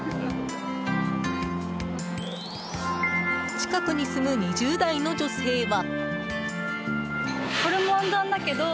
近くに住む２０代の女性は。